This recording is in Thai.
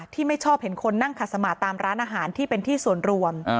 ไม่ชอบเห็นคนนั่งขัดสมาตามร้านอาหารที่เป็นที่ส่วนรวม